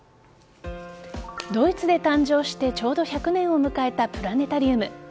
ドイツで誕生してちょうど１００年を迎えたプラネタリウム。